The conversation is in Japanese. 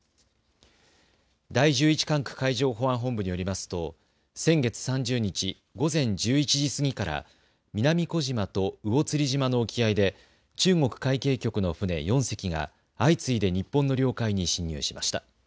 第１１管区海上保安本部によりますと先月３０日午前１１時過ぎから南小島と魚釣島の沖合で中国海警局の船４隻が相次いで日本の領海に侵入しました。